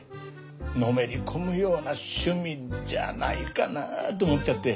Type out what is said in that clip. のめり込むような趣味じゃないかなと思っちゃって。